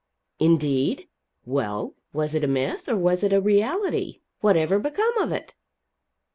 "Indeed? Well, was it a myth, or was it a reality? Whatever become of it?"